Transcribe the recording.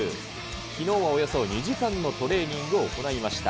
きのうはおよそ２時間のトレーニングを行いました。